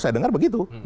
saya dengar begitu